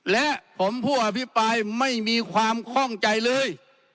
และผมผู้อภิปรายไม่มีความคล่องใจเลย